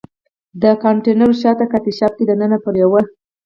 د کاونټر شاته و، کافي شاپ کې دننه پر یوه.